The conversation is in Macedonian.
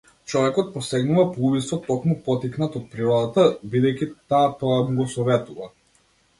Човекот посегнува по убиство токму поттикнат од природата, бидејќи таа тоа му го советува.